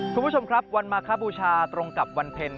คุณผู้ชมครับวันมาคบูชาตรงกับวันเพ็ญ